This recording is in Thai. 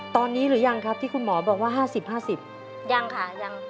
ตอนนี้หรือยังครับที่คุณหมอบอกว่า๕๐๕๐ยังค่ะยัง